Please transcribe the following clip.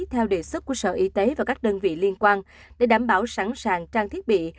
theo đề xuất của sở y tế và các đơn vị liên quan để đảm bảo sẵn sàng trang thiết bị